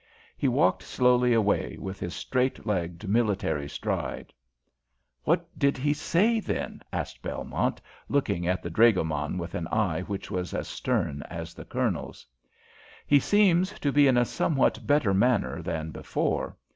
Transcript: He walked slowly away, with his straight legged military stride. "What did he say then?" asked Belmont, looking at the dragoman with an eye which was as stern as the Colonel's. "He seems to be in a somewhat better manner than before.